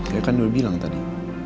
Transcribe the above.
ya kan dulu bilang tadi